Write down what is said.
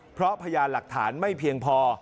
เพราะพยานหลักฐานไม่เพียงพอ